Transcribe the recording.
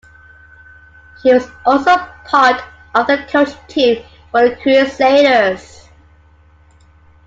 He was also part of the coaching team for the Crusaders.